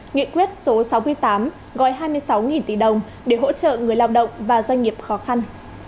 nghị quyết số sáu mươi tám gói hai mươi sáu tỷ đồng để hỗ trợ người lao động và doanh nghiệp khó khăn